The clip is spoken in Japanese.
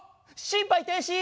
心肺停止！